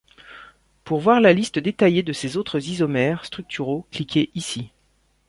Pour voir la liste détaillée de ses autres isomères structuraux, cliquez ici.